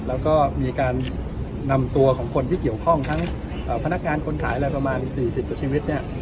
แล้วก็มีการนำตัวของคนที่เกี่ยวข้องทั้งพนักงานคนขายอะไรประมาณ๔๐กว่าชีวิตเนี่ย